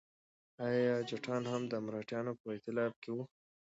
ایا جټان هم د مرهټیانو په ائتلاف کې وو؟